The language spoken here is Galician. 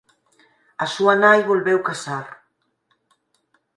A súa nai volveu casar.